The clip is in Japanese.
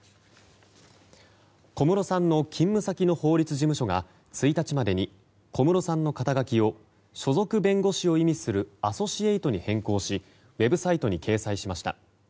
小室さんの勤務先の法律事務所が１日までに小室さんの肩書を所属弁護士を意味するアソシエイトに変更しウェブサイトに掲載しました。